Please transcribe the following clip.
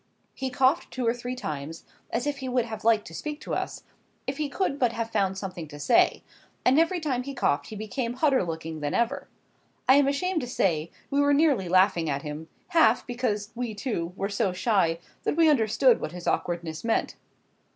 He coughed two or three times, as if he would have liked to speak to us, if he could but have found something to say; and every time he coughed he became hotter looking than ever. I am ashamed to say, we were nearly laughing at him; half because we, too, were so shy that we understood what his awkwardness meant.